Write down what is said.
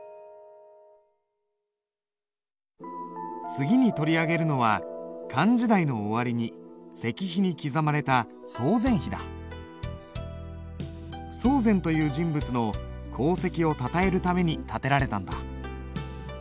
次に取り上げるのは漢時代の終わりに石碑に刻まれた曹全という人物の功績をたたえるために建てられたんだ。